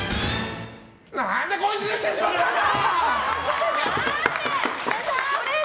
何でこいつ出してしまったんだ！